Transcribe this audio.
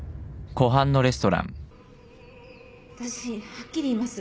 わたしはっきり言います。